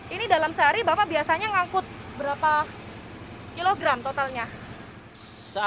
ini dalam sehari bapak biasanya ngangkut berapa kilogram totalnya